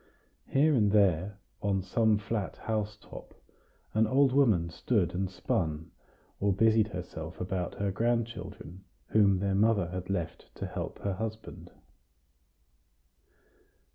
Here and there, on some flat housetop, an old woman stood and spun, or busied herself about her grandchildren, whom their mother had left to help her husband.